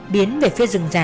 biến về phía rừng già